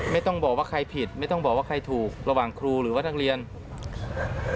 ไม่ต้องบอกว่าใครผิดไม่ต้องบอกว่าใครถูกระหว่างครูหรือว่านักเรียน